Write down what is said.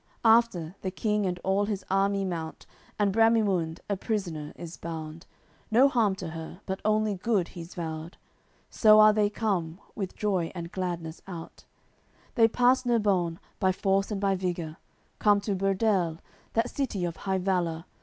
After, the King and all his army mount, And Bramimunde a prisoner is bound, No harm to her, but only good he's vowed. So are they come, with joy and gladness out, They pass Nerbone by force and by vigour, Come to Burdele, that city of high valour.